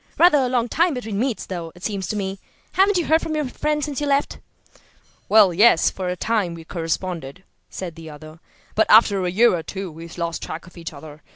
"Rather a long time between meets, though, it seems to me. Haven't you heard from your friend since you left?" "Well, yes, for a time we corresponded," said the other. "But after a year or two we lost track of each other.